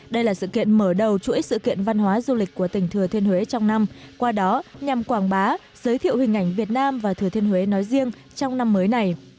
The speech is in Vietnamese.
đây là sự kiện mở đầu chuỗi sự kiện văn hóa du lịch của tỉnh thừa thiên huế trong năm qua đó nhằm quảng bá giới thiệu hình ảnh việt nam và thừa thiên huế nói riêng trong năm mới này